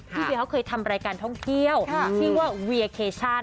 เวียเขาเคยทำรายการท่องเที่ยวชื่อว่าเวียเคชัน